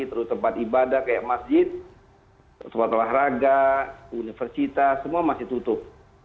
terus tempat ibadah kayak masjid tempat olahraga universitas semua masih tutup